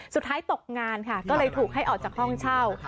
สุดท้ายตกงานค่ะก็เลยถูกให้ออกจากห้องเช่า